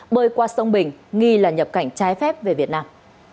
bơi qua sông bình nghi là nhập cảnh trái phép về việt nam